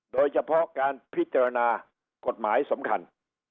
โดยเฉพาะการพิจารณากฎหมายสำคัญ